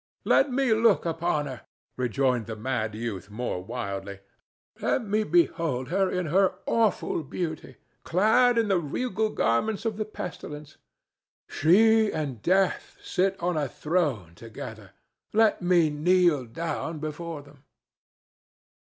"Let me look upon her," rejoined the mad youth, more wildly. "Let me behold her in her awful beauty, clad in the regal garments of the pestilence. She and Death sit on a throne together; let me kneel down before them."